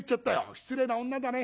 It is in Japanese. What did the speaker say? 失礼な女だね。